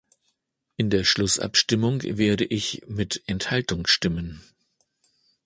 In der Schlussabstimmung werde ich mit Enthaltung stimmen.